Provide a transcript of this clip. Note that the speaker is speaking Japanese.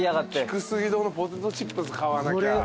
キクスイドーのポテトチップス買わなきゃ。